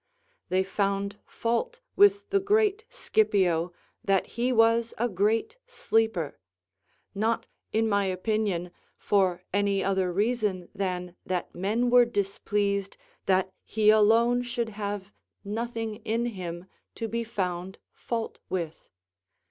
They found fault with the great Scipio that he was a great sleeper; not, in my opinion, for any other reason than that men were displeased that he alone should have nothing in him to be found fault with.